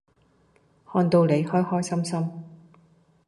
看到你開開心心